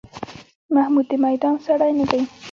محمود د میدان سړی نه دی.